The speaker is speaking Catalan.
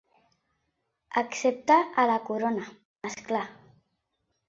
Excepte a la corona, és clar.